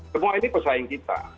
semua ini pesaing kita